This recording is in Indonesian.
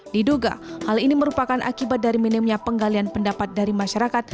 diduga hal ini merupakan akibat dari minimnya penggalian pendapat dari masyarakat